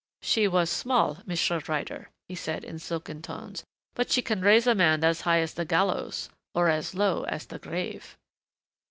"She was small, Monsieur Ryder," he said in silken tones, "but she can raise a man as high as the gallows or as low as the grave."